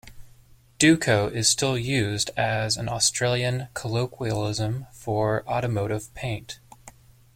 "Duco" is still used as an Australian colloquialism for automotive paint.